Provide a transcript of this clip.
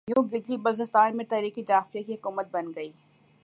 یوں گلگت بلتستان میں تحریک جعفریہ کی حکومت بن گئی